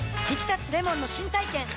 ひきたつレモンの新体験